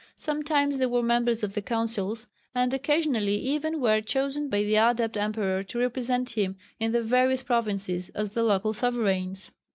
Sometimes they were members of the councils, and occasionally even were chosen by the Adept emperor to represent him in the various provinces as the local sovereigns.